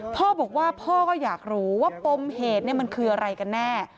พ่อบอกว่าพ่อก็อยากรู้ว่าปมเหตุมันคืออะไรกันแน่